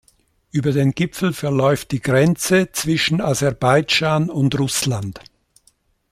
Über den Gipfel verläuft die Grenze zwischen Aserbaidschan und Russland.